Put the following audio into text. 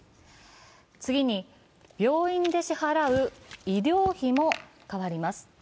次に、病院で支払う医療費も変わります。